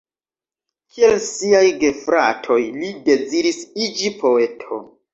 Kiel siaj gefratoj, li deziris iĝi poeto.